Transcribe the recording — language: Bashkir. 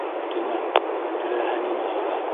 Үтенәм, теләһә нимә һора.